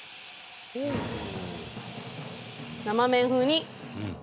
生麺風に。